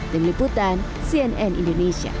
tim liputan cnn indonesia